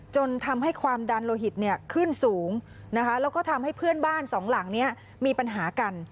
จนทำให้ความดันโลหิตขึ้นสูงนะคะแล้วก็ทำให้เพื่อนบ้านสองหลังนี้มีปัญหากัน